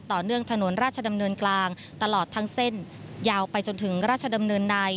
ถนนราชดำเนินกลางตลอดทั้งเส้นยาวไปจนถึงราชดำเนินใน